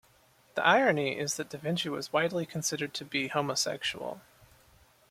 The irony is that da Vinci was widely considered to be homosexual.